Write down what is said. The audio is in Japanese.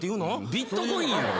ビットコインや。